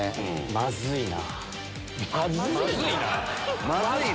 まずいな？